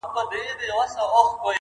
لا به تر کله دا لمبې بلېږي٫